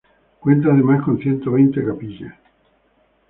Cuenta además con ciento veinte capillas.